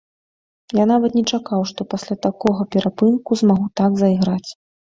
Я нават не чакаў, што пасля такога перапынку змагу так зайграць.